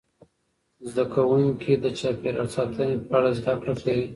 زده کوونکي د چاپیریال ساتنې په اړه زده کړه کوي.